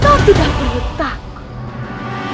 kau tidak boleh takut